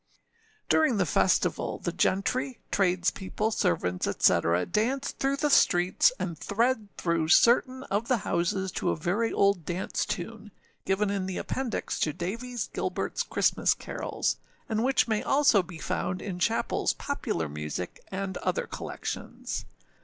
ââ During the festival, the gentry, tradespeople, servants, &c., dance through the streets, and thread through certain of the houses to a very old dance tune, given in the appendix to Davies Gilbertâs Christmas Carols, and which may also be found in Chappellâs Popular Music, and other collections.